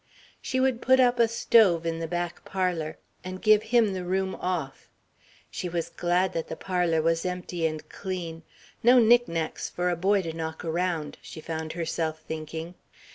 She would put up a stove in the back parlour, and give him the room "off." She was glad that the parlour was empty and clean "no knick knacks for a boy to knock around," she found herself thinking.